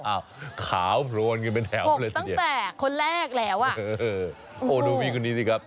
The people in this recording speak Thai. อ้าวขาวโผล่นขึ้นเป็นแถวหกตั้งแต่คนแรกแล้วอ่ะโหดูวิคุณนี้สิครับ